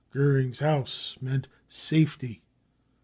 Goering's house meant safety.